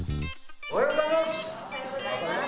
おはようございます！